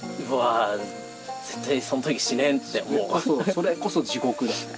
それこそ地獄だよね。